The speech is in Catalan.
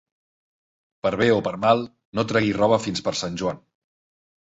Per bé o per mal, no et treguis roba fins per Sant Joan.